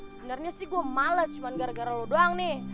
sebenarnya sih gue males cuma gara gara lu doang nih